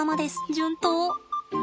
順当。